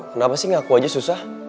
kenapa sih ngaku aja susah